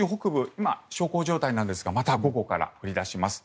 今、小康状態なんですがまた午後から降り出します。